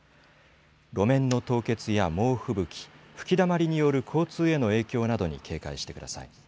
路面の凍結や猛吹雪、吹きだまりによる交通への影響などに警戒してください。